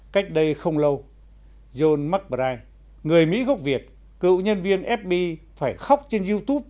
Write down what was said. cách đây không lâu john mcbride người mỹ gốc việt cựu nhân viên fbi phải khóc trên youtube